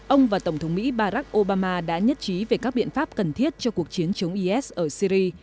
ông và tổng thống mỹ barack obama đã nhất trí về các biện pháp cần thiết cho cuộc chiến chống is ở syri